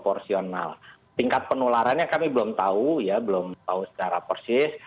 porsional tingkat penularannya kami belum tahu ya belum tahu secara persis